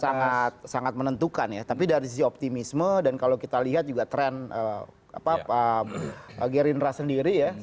sangat sangat menentukan ya tapi dari sisi optimisme dan kalau kita lihat juga tren gerindra sendiri ya